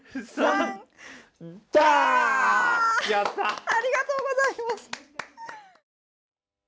ありがとうございます。